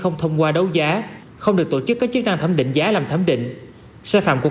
không thông qua đấu giá không được tổ chức có chức năng thẩm định giá làm thẩm định sai phạm của